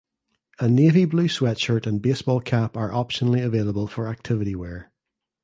A navy blue sweatshirt and baseball cap are optionally available for activity wear.